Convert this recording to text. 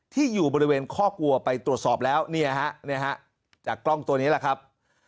ที่อยู่บริเวณข้อกลัวไปตรวจสอบแล้วเนี่ยฮะจากกล้องตัวนี้แหละครับ